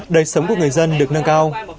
đời sống của người dân được nâng cao